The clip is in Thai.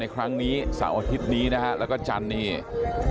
แล้วก็ไม่เกิด๔ทุ่มค่ะจะมีแค่เฉพาะวันหยุดยาวค่ะจะวันธรรมดาก็ไม่มี